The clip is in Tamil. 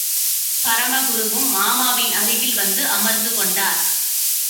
பரமகுருவும் மாமாவின் அருகில் வந்து அமர்ந்து கொண்டார்.